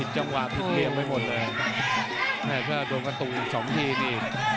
จังหวะผิดเหลี่ยมไปหมดเลยแม่ถ้าโดนกระตุกอีกสองทีนี่